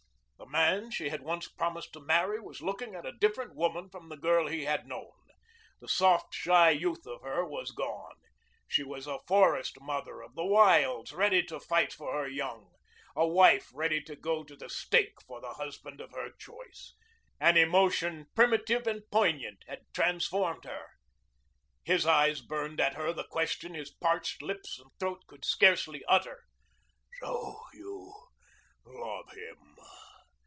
The man she had once promised to marry was looking at a different woman from the girl he had known. The soft, shy youth of her was gone. She was a forest mother of the wilds ready to fight for her young, a wife ready to go to the stake for the husband of her choice. An emotion primitive and poignant had transformed her. His eyes burned at her the question his parched lips and throat could scarcely utter. "So you ... love him?"